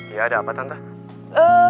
iya ada apa tante